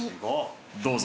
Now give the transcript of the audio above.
どうぞ。